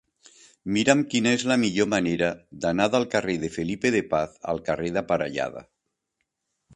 Mira'm quina és la millor manera d'anar del carrer de Felipe de Paz al carrer de Parellada.